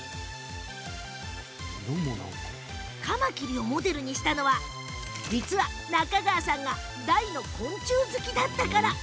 カマキリをモデルにしたのは中川さんが大の昆虫好きだったから。